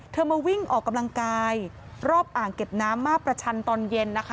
มาวิ่งออกกำลังกายรอบอ่างเก็บน้ำมาประชันตอนเย็นนะคะ